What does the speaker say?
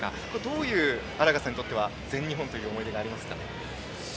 荒賀さんにとっては全日本にどういう思い出がありますか。